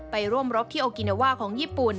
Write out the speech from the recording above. ไปร่วมรบที่โอกินาว่าของญี่ปุ่น